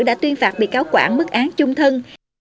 đã tuyên phạt bị cáo quản bức án chung thân